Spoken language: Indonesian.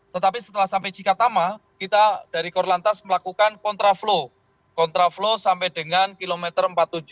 tetapi setelah sampai jikatama kita dari korlantas melakukan kontra flow kontra flow sampai dengan kilometer empat puluh tujuh